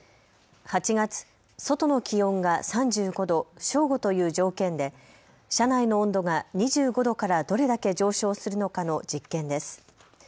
８月、外の気温が３５度、正午という条件で車内の温度が２５度からどれだけ上昇するのかの実験です。